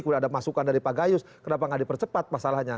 kemudian ada masukan dari pak gayus kenapa nggak dipercepat masalahnya